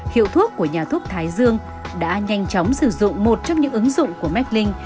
hiệu thuốc của nhà thuốc thái dương đã nhanh chóng sử dụng một trong những ứng dụng của meklinh